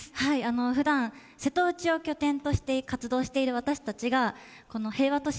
ふだん瀬戸内を拠点として活動している私たちがこの平和都市